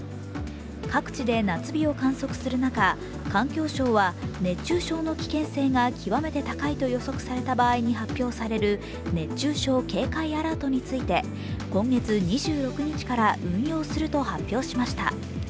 各地で夏日を観測する中、環境省は熱中症の危険性が極めて高いと予測された場合に発表される熱中症警戒アラートについて今月２６日から運用すると発表しました。